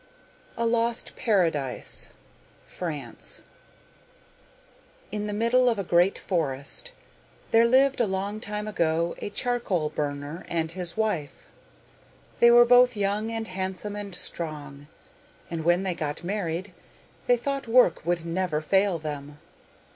A Lost Paradise In the middle of a great forest there lived a long time ago a charcoal burner and his wife. They were both young and handsome and strong, and when they got married, they thought work would never fail them.